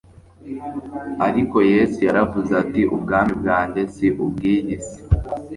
Ariko Yesu yaravuze ati : «Ubwami bwanjye si ubw'iyi si.»